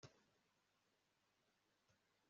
haciyeho igihe kigera ku kwezi